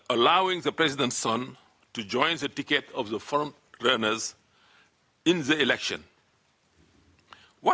apa yang dilakukan untuk memastikan orang orang yang tinggi